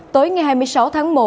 tối ngày hai mươi sáu tháng một